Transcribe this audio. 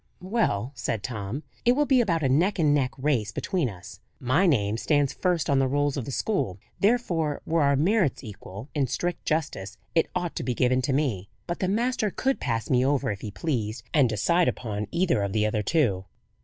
"Well," said Tom, "it will be about a neck and neck race between us. My name stands first on the rolls of the school; therefore, were our merits equal, in strict justice it ought to be given to me. But the master could pass me over if he pleased, and decide upon either of the other two."